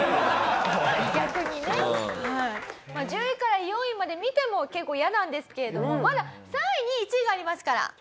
１０位から４位まで見ても結構イヤなんですけれどもまだ３位２位１位がありますから。